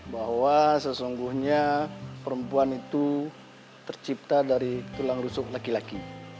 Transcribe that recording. bahwa sesungguhnya perempuan itu tercipta dari tulang rusuk laki laki